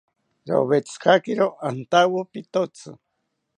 Rowetzikakiro antowo pitotzi